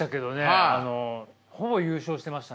あのほぼ優勝してましたね。